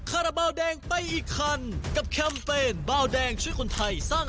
คาราบาลแดงไปอีกคันกับแคมเปญเบาแดงช่วยคนไทยสร้าง